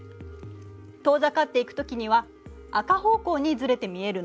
遠ざかっていくときには赤方向にずれて見えるの。